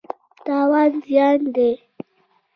تاوان زیان دی.